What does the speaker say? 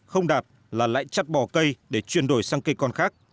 không đạt là lại chặt bỏ cây để chuyển đổi sang cây con khác